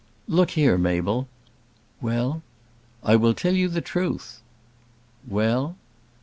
"Look here, Mabel." "Well?" "I will tell you the truth." "Well?"